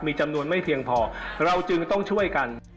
มีจำนวนไม่เพียงพอเราจึงต้องช่วยกัน